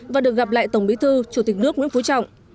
và được gặp lại tổng bí thư chủ tịch nước nguyễn phú trọng